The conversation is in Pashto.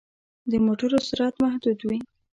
د موټر سرعت محدود وي.